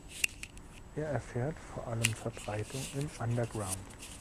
Er erfährt vor allem Verbreitung im Underground.